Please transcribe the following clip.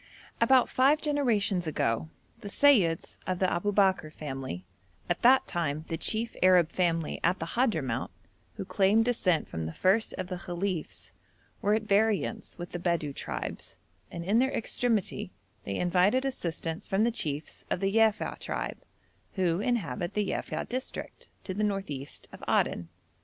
About five generations ago the Seyyids of the Aboubekr family, at that time the chief Arab family at the Hadhramout, who claimed descent from the first of the Khalifs, were at variance with the Bedou tribes, and in their extremity they invited assistance from the chiefs of the Yafei tribe, who inhabit the Yafei district, to the north east of Aden.